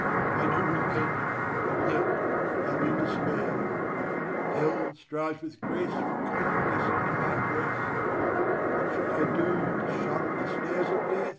I do repent; and yet I do despair: Hell strives with grace for conquest in my breast: What shall I do to shun the snares of death?